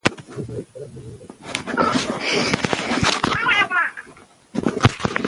بادام د افغانستان د ټولنې لپاره بنسټيز رول لري.